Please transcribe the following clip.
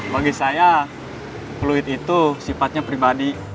bagi saya fluid itu sifatnya pribadi